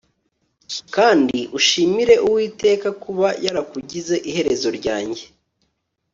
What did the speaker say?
Kandi ushimire Uwiteka kuba yarakugize iherezo ryanjye